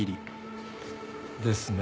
ですね。